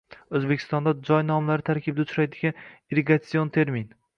O‘zbekistonda joy nomlari tarkibida uchraydigan irrigatsion termin.